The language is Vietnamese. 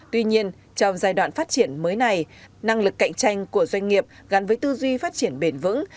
tuy nhiên trong giai đoạn phát triển mới này năng lực cạnh tranh của doanh nghiệp gắn với tư duy phát triển bền vững